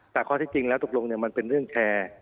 แต่ข้อที่จริงแล้วตกลงมันเป็นเรื่องแชร์